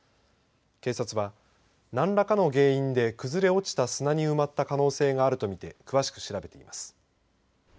警察は何らかの原因で崩れ落ちた砂に埋まった可能性があるとみて詳しく調べています。